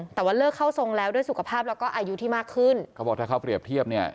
แต่ว่าเลิกเข้าทรงแล้วด้วยสุขภาพแล้วก็อายุที่มากขึ้นเขาบอกถ้าเขาเปรียบเทียบเนี่ย